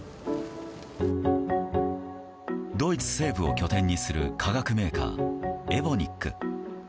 ドイツ西部を拠点にする化学メーカー、エボニック。